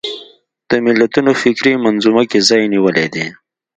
د ملتونو فکري منظومه کې ځای نیولی دی